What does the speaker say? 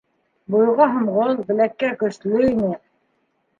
Буйға һомғол, беләккә көслө ине!